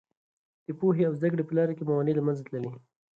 د پوهې او زده کړې په لاره کې موانع له منځه تللي.